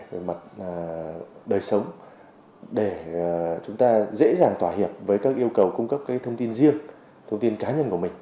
về mặt đời sống để chúng ta dễ dàng tỏa hiệp với các yêu cầu cung cấp các thông tin riêng thông tin cá nhân của mình